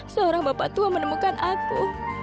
seorang bapak tua menemukan aku